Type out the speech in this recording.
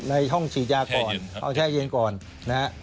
ในห้องฉีดยาก่อนแค่เย็นห้องแค่เย็นก่อนนะฮะ